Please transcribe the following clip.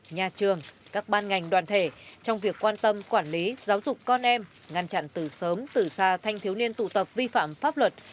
nhà trường các ban ngành đoàn thể trong việc quan tâm quản lý giáo dục con em ngăn chặn từ sớm từ xa thanh thiếu niên tụ tập vi phạm pháp luật